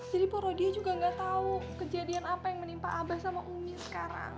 jadi poro dia juga nggak tau kejadian apa yang menimpa abah sama umi sekarang